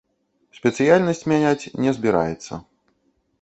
Спецыяльнасць мяняць не збіраецца.